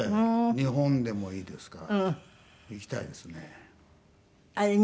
日本でもいいですが行きたいですね。